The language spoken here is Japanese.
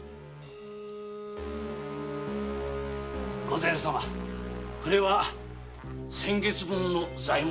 御前様これは先月分の材木の。